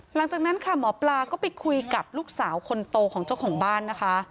หลังจากนั้นค่ะหมอปลาก็ไปคุยกับลูกสาวคนโตของเจ้าของบ้านนะคะ